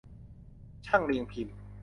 ช่างเรียงพิมพ์